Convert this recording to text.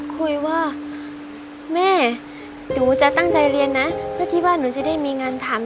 คุยว่าแม่หนูจะตั้งใจเรียนนะเพื่อที่ว่าหนูจะได้มีงานทำ